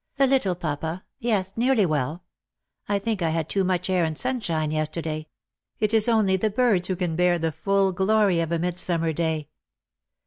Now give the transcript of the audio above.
" A little, papa ; yes, nearly well. I think I had too much air and sunshine yesterday. It is only the birds who can bear the full glory of a midsummer day."